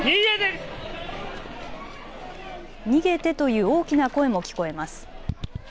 逃げてという大きな声も聞こえます。